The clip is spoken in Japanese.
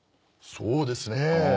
そうですね。